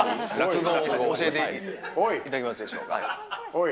おい！